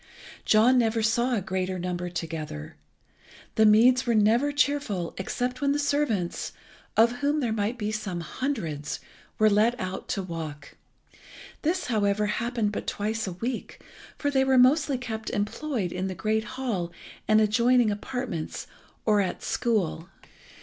John never saw a greater number together. The meads were never cheerful except when the servants, of whom there might be some hundreds, were let out to walk. This, however, happened but twice a week, for they were mostly kept employed in the great hall and adjoining apartments or at school.